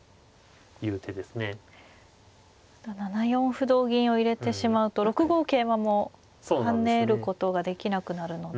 歩同銀を入れてしまうと６五桂馬も跳ねることができなくなるので。